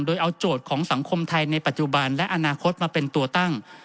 โดยเอาโจทย์ของสังคมไทยในปัจจุบันและอนาคตมาเป็นตัวตั้ง